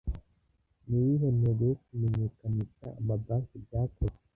Ni iyihe ntego yo kumenyekanisha amabanki byakozwe